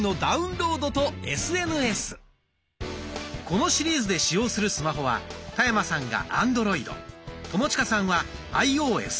このシリーズで使用するスマホは田山さんがアンドロイド友近さんはアイオーエスです。